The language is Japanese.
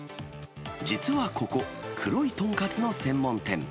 実はここ、黒い豚カツの専門店。